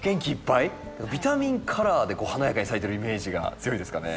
ビタミンカラーで華やかに咲いてるイメージが強いですかね。